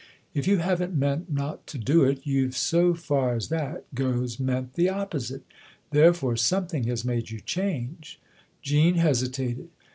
" If you haven't meant not to do it, you've, so far as that goes, meant the opposite. Therefore something has made you change." Jean hesitated.